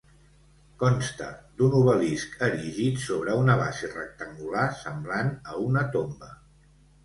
Consta d'un obelisc erigit sobre una base rectangular, semblant a una tomba.